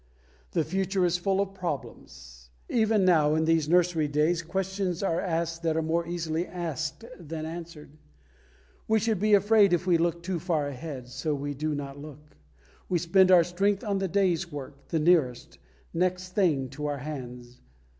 The future is full of problems. Even now in these Nursery days questions are asked that are more easily asked than answered. We should be afraid if we looked too far ahead, so we do not look. We spend our strength on the day's work, the nearest "next thing" to our hands.